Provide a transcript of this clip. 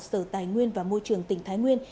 sở tài nguyên và môi trường tỉnh thái nguyên